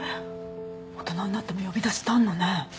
大人になっても呼び出しってあんのね。